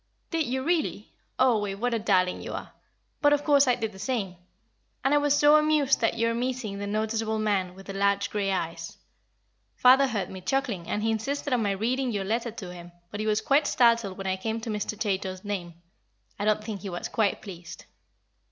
"Did you, really? Oh, Wave, what a darling you are! But, of course, I did the same. And I was so amused at your meeting 'the noticeable man, with the large grey eyes.' Father heard me chuckling, and he insisted on my reading your letter to him; but he was quite startled when I came to Mr. Chaytor's name. I don't think he was quite pleased."